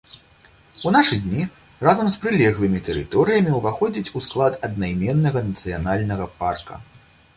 У нашы дні разам з прылеглымі тэрыторыямі ўваходзіць у склад аднайменнага нацыянальнага парка.